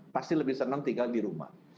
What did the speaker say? pasti lebih senang tinggal di rumah